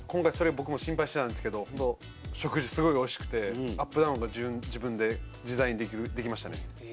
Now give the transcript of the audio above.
僕も心配してたんですけれど、食事がすごい美味しくて、アップダウンが自分で自在にできましたね。